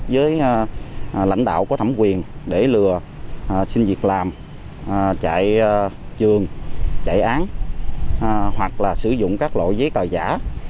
với lãnh đạo có thẩm quyền để lừa xin việc làm chạy trường chạy án hoặc là sử dụng các loại giấy tờ giả